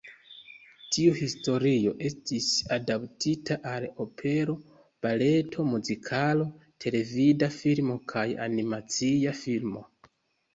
Tiu historio estis adaptita al opero, baleto, muzikalo, televida filmo kaj animacia filmo.